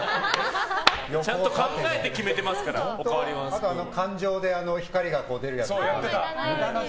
ちゃんと考えて決めていますからあと、感情で光が出るやつ。